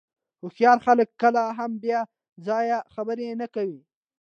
هوښیار خلک کله هم بې ځایه خبرې نه کوي.